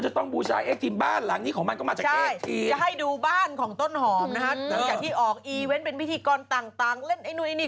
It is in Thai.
จากที่ออกเป็นวิธีกรต่างเล่นไอ้น้วยนี้